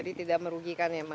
jadi tidak merugikan ya mas